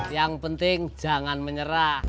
yang penting jangan menyerah